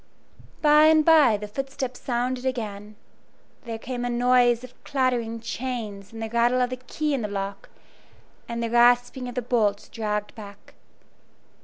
By and by the footsteps sounded again; there came a noise of clattering chains and the rattle of the key in the lock, and the rasping of the bolts dragged back.